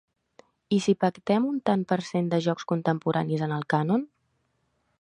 I si pactem un tant per cent de jocs contemporanis en el cànon?